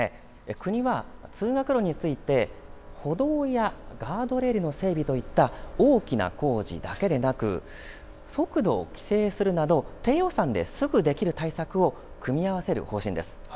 国は通学路について歩道やガードレールの整備といった大きな工事だけでなく速度を規制するなど低予算ですぐできる対策を組み合わせる方針です。